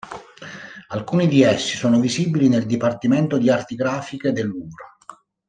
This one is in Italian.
Alcuni di essi sono visibili nel dipartimento di Arti grafiche del Louvre.